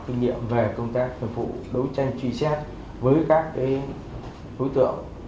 kinh nghiệm về công tác hợp vụ đối tranh truy xét với các đối tượng